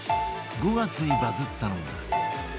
５月にバズったのが